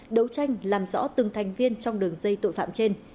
đấu tranh làm rõ từng thành viên trong đường dây tội phạm trên